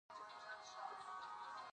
مالدیو یو د ټاپوګانو هېواد دی.